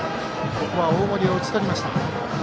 大森を打ち取りました。